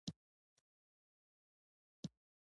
خوښ به دي شي.